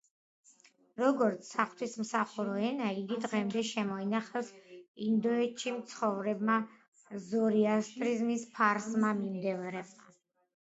როგორც საღვთისმსახურო ენა, იგი დღემდე შემოინახეს ინდოეთში მცხოვრებმა ზოროასტრიზმის ფარსმა მიმდევრებმა.